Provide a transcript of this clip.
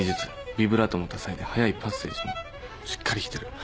ビブラートも多彩で速いパッセージもしっかり弾いてる。